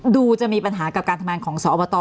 จะมีปัญหากับการทำงานของสอบต